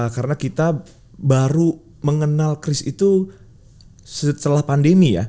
karena kita baru mengenal kris itu setelah pandemi ya